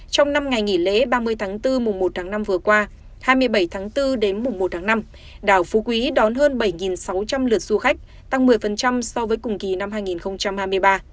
trong năm ngày nghỉ lễ ba mươi tháng bốn mùa một tháng năm vừa qua hai mươi bảy tháng bốn đến mùng một tháng năm đảo phú quý đón hơn bảy sáu trăm linh lượt du khách tăng một mươi so với cùng kỳ năm hai nghìn hai mươi ba